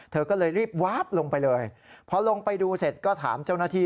เธอก็เลยรีบวาบลงไปเลยพอลงไปดูเสร็จก็ถามเจ้าหน้าที่